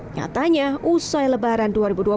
nyatanya usai lebaran dua ribu dua puluh